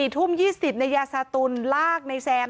๔ทุ่ม๒๐นายยาซาตุลลากในแซม